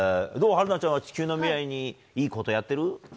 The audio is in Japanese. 春奈ちゃんは地球の未来にいいことやってる？